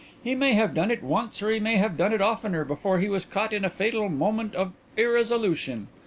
He may have done it once or he may have done it oftener before he was caught in a fatal moment of irresolution.